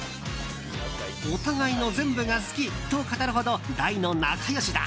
お互いの全部が好きと語るほど大の仲良しだ。